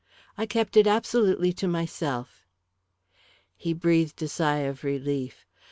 "I kept it absolutely to myself." He breathed a sigh of relief.